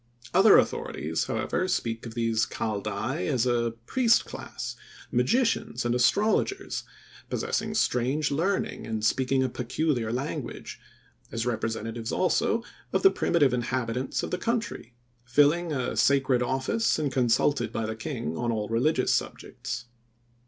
Other authorities, however, speak of these "Kaldai" as a priest class, magicians and astrologers, possessing strange learning and speaking a peculiar language; as representatives also of the primitive inhabitants of the country, filling a sacred office and consulted by the king on all religious subjects.